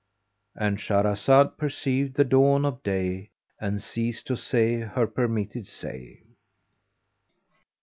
"—And Shahrazad perceived the dawn of day and ceased to say her permitted say.